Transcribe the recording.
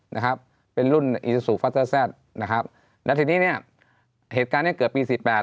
นะครับเป็นรุ่นนะครับแล้วทีนี้เนี้ยเหตุการณ์เนี้ยเกือบปีสี่แปด